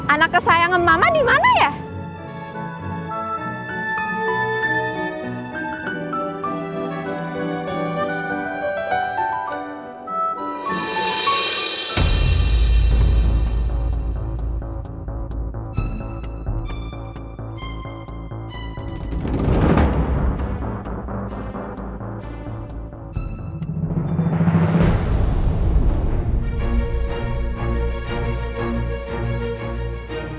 anak kesayangan mama dimana yaaa